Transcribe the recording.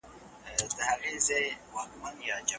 محمود د پاچاهۍ ماڼۍ ته ورغی.